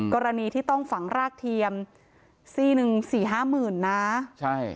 กรณีที่ต้องฝังรากเทียมซีหนึ่ง๔๕หมื่นนะ